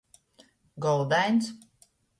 Goldains.